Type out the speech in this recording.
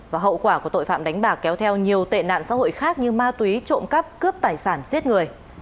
và hậu quả của tội phạm đánh bạc kéo theo nhiều tệ nạn xã hội khác như ma túy trộm cắp cướp tài sản giết người